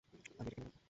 আমি এটা কেন ভাববো?